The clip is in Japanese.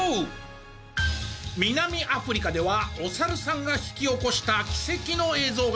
南アフリカではおサルさんが引き起こした奇跡の映像が！